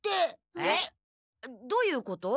えっ？どういうこと？